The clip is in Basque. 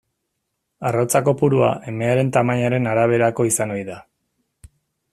Arrautza kopurua emearen tamainaren araberako izan ohi da.